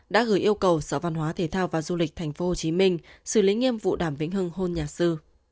đã gửi yêu cầu sở văn hóa thể thao và du lịch tp hcm xử lý nghiêm vụ đàm vĩnh hưng nhà sư